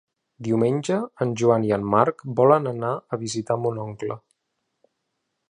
Diumenge en Joan i en Marc volen anar a visitar mon oncle.